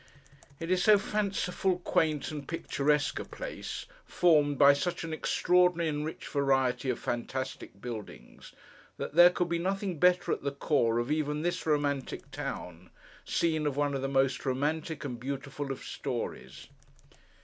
It is so fanciful, quaint, and picturesque a place, formed by such an extraordinary and rich variety of fantastic buildings, that there could be nothing better at the core of even this romantic town: scene of one of the most romantic and beautiful of stories.